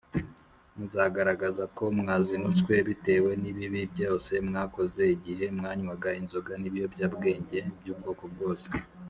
muzagaragaza ko mwazinutswe bitewe n ibibi byose mwakoze igihe mwanywaga inzoga nibiyobya bwenge byubwoko bwose.